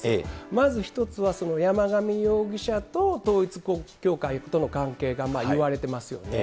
まず１つは、山上容疑者と統一教会との関係が言われてますよね。